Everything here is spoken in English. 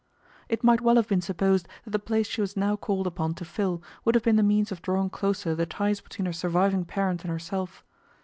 It might well have been supposed that the place she was now called upon to fill would have been the means of drawing closer the ties between her surviving parent and herself.